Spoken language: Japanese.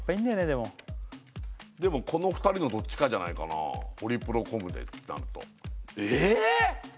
でもでもこの２人のどっちかじゃないかなホリプロコムでってなるとええっ！？